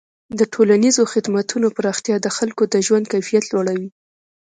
د ټولنیزو خدمتونو پراختیا د خلکو د ژوند کیفیت لوړوي.